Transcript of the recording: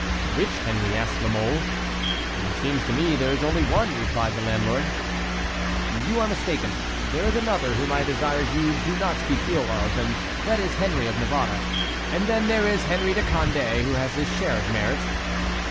"Which Henry?" asked La Mole. "It seems to me there is only one," replied the landlord. "You are mistaken; there is another, whom I desire you do not speak ill of, and that is Henry of Navarre; and then there is Henry de Condé, who has his share of merit."